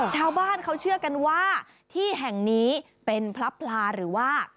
ชาวบ้านเขาเชื่อกันว่าที่แห่งนี้เป็นพระพลาหรือว่า